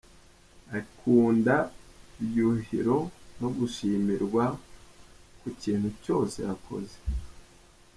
Akunda ibyuhiro no gushimirwa ku kintu cyose yakoze.